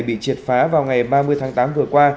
bị triệt phá vào ngày ba mươi tháng tám vừa qua